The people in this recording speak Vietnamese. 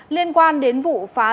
liên quan đến vụ phá rừng